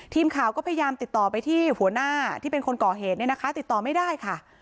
ทีมข่าวก็พยายามติดต่อไปที่หัวหน้าที่เป็นคนก่อเหตุเนี่ยนะคะติดต่อไม่ได้ค่ะ